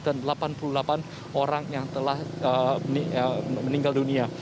dan delapan puluh delapan orang yang telah meninggal dunia